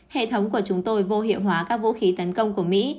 hệ thống của chúng tôi vô hiệu hóa các vũ khí tấn công của mỹ